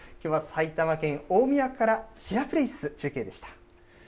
きょうは埼玉県大宮から、シェアプレイス、中継でした。